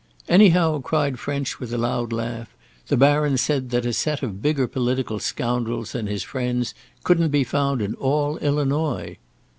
"Anyhow," cried French with a loud laugh, "the Baron said that a set of bigger political scoundrels than his friends couldn't be found in all Illinois."